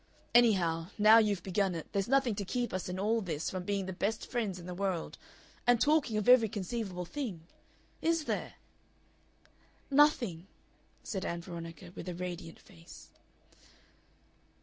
Anyhow, now you've begun it, there's nothing to keep us in all this from being the best friends in the world. And talking of every conceivable thing. Is there?" "Nothing," said Ann Veronica, with a radiant face.